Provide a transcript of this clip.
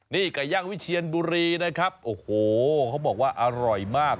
นี่ไก่ย่างวิเชียนบุรีนะครับโอ้โหเขาบอกว่าอร่อยมาก